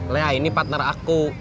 lea ini partner aku